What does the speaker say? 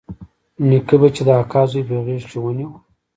نيکه به چې د اکا زوى په غېږ کښې ونيو.